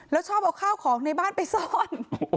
แล้วชอบเอาข้าวของในบ้านไปซ่อน